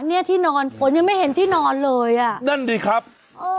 เนี้ยที่นอนฝนยังไม่เห็นที่นอนเลยอ่ะนั่นดิครับโอ้